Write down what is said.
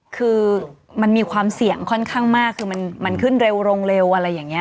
คือมันมีความเสี่ยงค่อนข้างมากคือมันขึ้นเร็วลงเร็วอะไรอย่างนี้